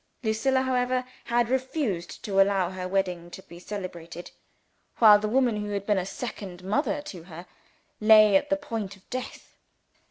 Lucilla, however, had refused to allow her wedding to be celebrated, while the woman who had been a second mother to her, lay at the point of death.